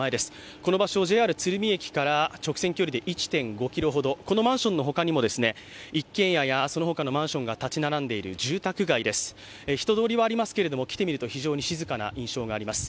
この場所はＪＲ鶴見駅から直線距離で１．５２ｋｍほど、このマンションのほかにも一軒家やその他のマンションが建ち並んでいる住宅街です、人通りはありますけれども、来てみると非常に静かな印象があります。